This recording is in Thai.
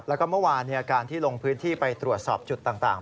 แล้วก็เมื่อวานการที่ลงพื้นที่ไปตรวจสอบจุดต่าง